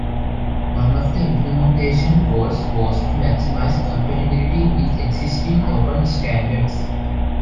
One of the implementation goals was to maximize compatibility with existing open standards.